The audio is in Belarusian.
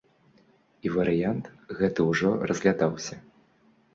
І варыянт гэты ўжо разглядаўся.